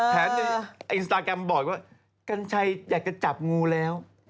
ในอินสตาแกรมบอกว่ากัญชัยอยากจะจับงูแล้ว